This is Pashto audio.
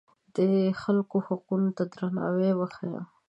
د خلکو حقونو ته درناوی وښیه.